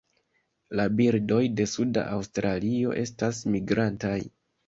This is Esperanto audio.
La birdoj de suda Aŭstralio estas migrantaj.